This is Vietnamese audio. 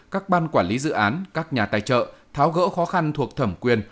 các ban quản lý dự án các nhà tài trợ tháo gỡ khó khăn thuộc thẩm quyền